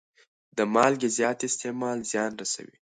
د مالګې زیات استعمال زیان رسوي.